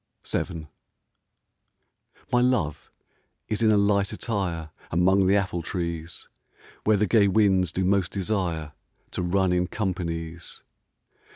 VII My love is in a light attire Among the apple trees, Where the gay winds do most desire To run in companies.